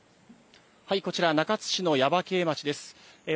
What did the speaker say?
はい、こちら中津市の耶馬渓町です。